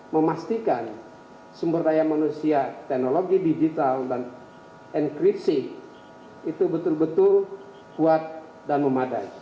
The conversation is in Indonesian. memastikan sumber daya manusia teknologi digital dan enkripsi itu betul betul kuat dan memadai